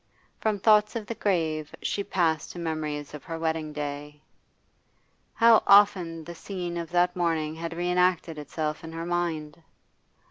From thoughts of the grave she passed to memories of her wedding day. How often the scene of that morning had re enacted itself in her mind!